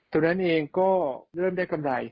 ตรงนั้นเองก็เริ่มได้กำไร